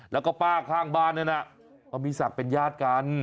แล้วก็ป้าข้างบ้านนั้นเขามีศักดิ์เป็นญาติกัน